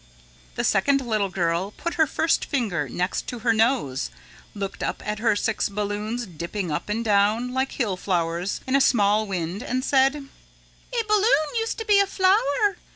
The second little girl put her first finger next to her nose, looked up at her six balloons dipping up and down like hill flowers in a small wind, and said: "A balloon used to be a flower.